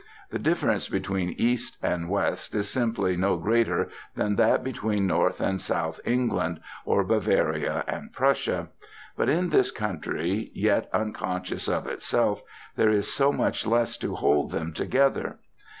The difference between East and West is possibly no greater than that between North and South England, or Bavaria and Prussia; but in this country, yet unconscious of itself, there is so much less to hold them together.